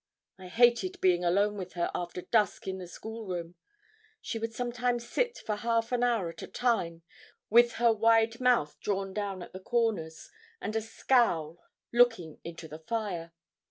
I hated being alone with her after dusk in the school room. She would sometimes sit for half an hour at a time, with her wide mouth drawn down at the corners, and a scowl, looking into the fire.